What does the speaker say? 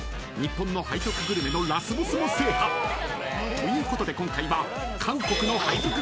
［ということで今回は］